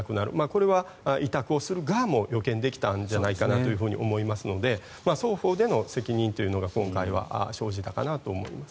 これは委託をする側も予見できたんじゃないかなと思いますので双方での責任というのが今回は生じたかなと思います。